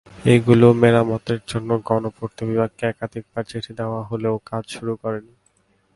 এগুলো মেরামতের জন্য গণপূর্ত বিভাগকে একাধিকবার চিঠি দেওয়া হলেও কাজ শুরু করেনি।